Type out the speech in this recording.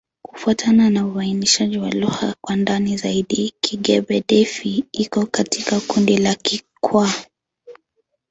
Kufuatana na uainishaji wa lugha kwa ndani zaidi, Kigbe-Defi iko katika kundi la Kikwa.